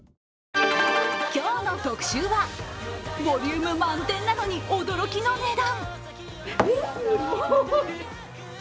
今日の特集はボリューム満点なのに驚きの値段。